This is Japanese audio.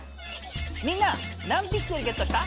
みんな何ピクセルゲットした？